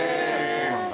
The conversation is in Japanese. そうなんだ。